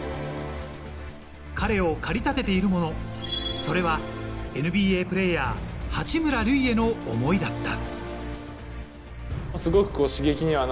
彼を駆り立てているもの、それは、ＮＢＡプレーヤー・八村塁への思いだった。